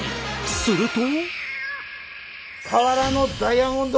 すると。